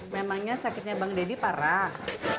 memangnya sakitnya bang deddy parah